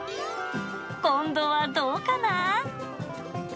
今度はどうかな？